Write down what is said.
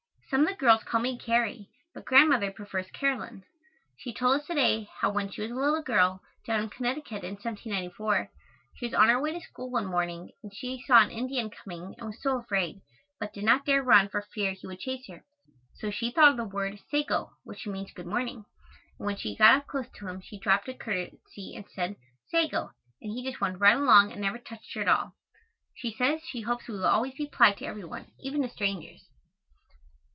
Some of the girls call me "Carrie," but Grandmother prefers "Caroline." She told us to day, how when she was a little girl, down in Connecticut in 1794, she was on her way to school one morning and she saw an Indian coming and was so afraid, but did not dare run for fear he would chase her. So she thought of the word sago, which means "good morning," and when she got up close to him she dropped a curtesy and said "Sago," and he just went right along and never touched her at all. She says she hopes we will always be polite to every one, even to strangers.